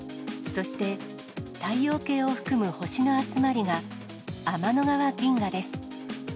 そして太陽系を含む星の集まりが、天の川銀河です。